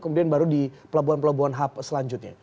kemudian baru di pelabuhan pelabuhan hub selanjutnya